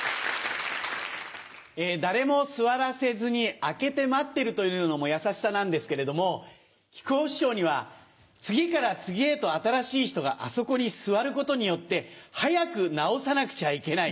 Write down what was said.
誰も座らせずに空けて待ってるというのも優しさなんですけれども木久扇師匠には次から次へと新しい人があそこに座ることによって「早く治さなくちゃ行けない」。